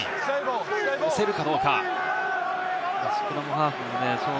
押せるかどうか。